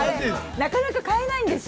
なかなか買えないんですよ。